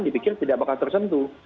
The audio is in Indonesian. dipikir tidak bakal tersentuh